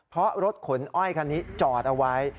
เพราะรถขนอ้อยคันนี้จอดเอาไว้